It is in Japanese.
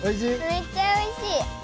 めっちゃおいしい！